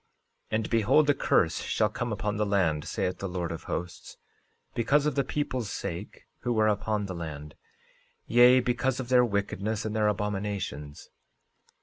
13:17 And behold, a curse shall come upon the land, saith the Lord of Hosts, because of the people's sake who are upon the land, yea, because of their wickedness and their abominations.